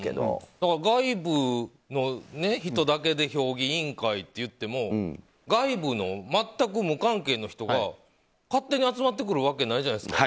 だから、外部の人だけで評議員会っていっても外部の全く無関係の人が勝手に集まってくるわけないじゃないですか。